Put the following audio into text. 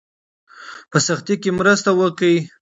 په سختۍ کې مرسته وکړئ.